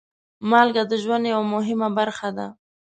مالګه د ژوند یوه مهمه برخه ده.